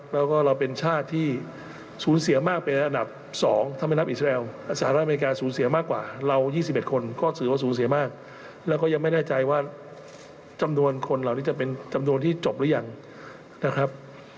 แล้วก็เราเป็นชาติที่สูญเสียมากเป็นอันดับ๒ถ้าไม่นับอิสราเอลสหรัฐอเมริกาสูญเสียมากกว่าเรา๒๑คนก็ถือว่าสูญเสียมากแล้วก็ยังไม่แน่ใจว่าจำนวนคนเหล่านี้จะเป็นจำนวนที่จบหรือยังนะครับ